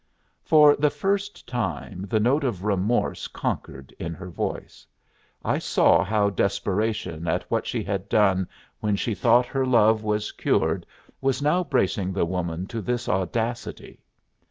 For the first time the note of remorse conquered in her voice. I saw how desperation at what she had done when she thought her love was cured was now bracing the woman to this audacity.